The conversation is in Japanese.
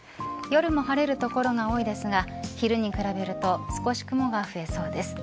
夜も晴れる所が多いですが昼に比べると少し雲が増えそうです。